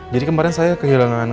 jadi kemarin saya kehilangan kotak